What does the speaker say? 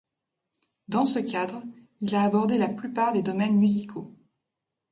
Dans ce cadre, il a abordé la plupart des domaines musicaux.